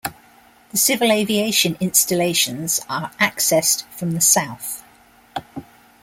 The civil aviation installations are accessed from the south.